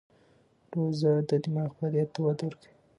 روژه د دماغ فعالیت ته وده ورکوي.